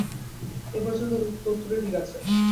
এ পর্যন্ত তত্ত্বটি ঠিক আছে।